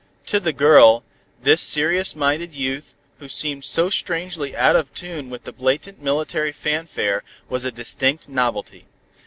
To the girl, this serious minded youth who seemed so strangely out of tune with the blatant military fanfare, was a distinct novelty.